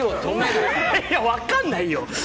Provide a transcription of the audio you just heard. いや、分かんないよ。